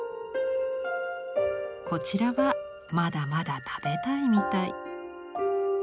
こちらはまだまだ食べたいみたい。